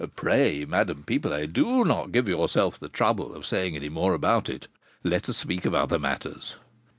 "Pray, Madame Pipelet, do not give yourself the trouble of saying any more about it: let us speak of other matters."